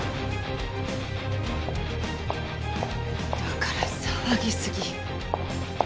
だから騒ぎすぎ。